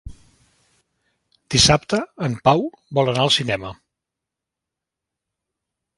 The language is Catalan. Dissabte en Pau vol anar al cinema.